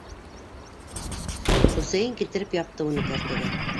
Хөсәйен килтереп япты уны кәртәгә.